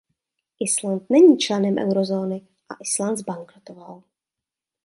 Island není členem eurozóny a Island zbankrotoval.